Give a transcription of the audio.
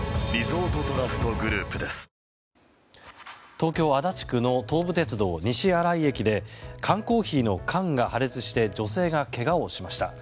東京・足立区の東武鉄道西新井駅で缶コーヒーの缶が破裂して女性がけがをしました。